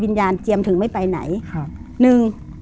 เจียมถึงไม่ไปไหนครับหนึ่ง